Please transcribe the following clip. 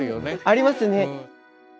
ありますね。